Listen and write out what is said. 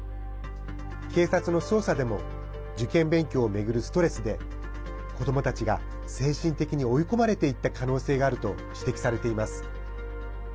警察の捜査でも受験勉強を巡るストレスで子どもたちが精神的に追い込まれていった可能性があると指摘されています。